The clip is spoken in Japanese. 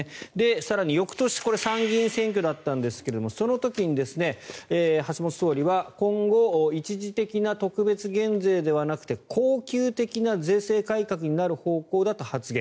更に、翌年、参議院選挙その時、橋本総理は今後一時的な特別減税ではなくて恒久的な税制改革になる方向だと発言。